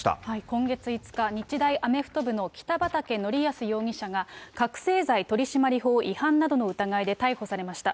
今月５日、日大アメフト部の北畠成文容疑者が覚醒剤取締法違反などの疑いで逮捕されました。